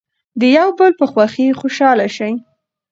د یو بل په خوښۍ خوشحاله شئ.